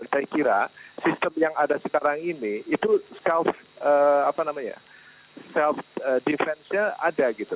saya kira sistem yang ada sekarang ini itu self defense nya ada gitu